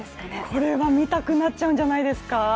これは見たくなっちゃうんじゃないですか。